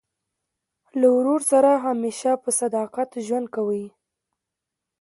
له ورور سره همېشه په صداقت ژوند کوئ!